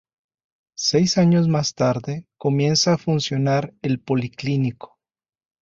Seis años más tarde comienza a funcionar el policlínico.